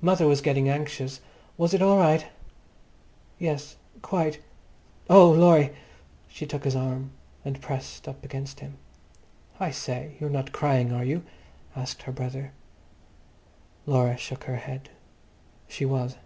"Mother was getting anxious. Was it all right?" "Yes, quite. Oh, Laurie!" She took his arm, she pressed up against him. "I say, you're not crying, are you?" asked her brother. Laura shook her head. She was.